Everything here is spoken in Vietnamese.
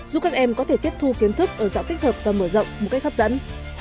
giúp các em có thể tiếp thu kiến thức ở giọng tích hợp và mở rộng một cách hấp dẫn